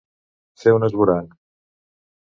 Fer un esvoranc.